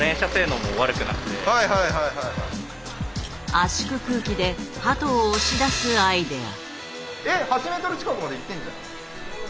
圧縮空気で鳩を押し出すアイデア。